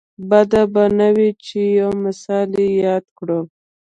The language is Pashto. بده به نه وي چې یو مثال یې یاد کړو.